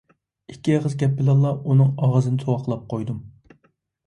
ئىككى ئېغىز گەپ بىلەنلا ئۇنىڭ ئاغزىنى تۇۋاقلاپ قويدۇم.